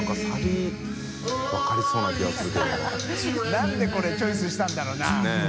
なんでこれチョイスしたんだろうな？）ねぇ。